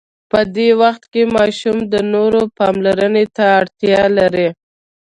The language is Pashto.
په دې وخت کې ماشوم د نورو پاملرنې ته اړتیا لري.